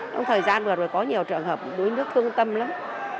trong thời gian vừa rồi có nhiều trường hợp đuối nước thương tâm lắm